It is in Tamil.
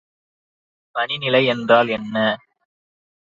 பனிநிலை என்றால் என்ன?